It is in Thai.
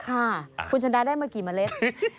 ค่ะคุณชนะได้มากี่เมล็ด